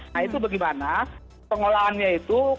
nah itu bagaimana pengelolaannya itu